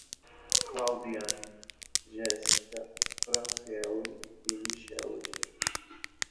Claudiane, Géssica, Franciele e Michelle